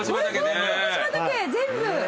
全部！